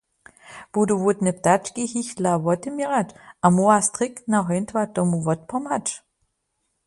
Budu wódne ptaki jich dla woteměrać a móhła striktna hońtwa tomu wotpomhać?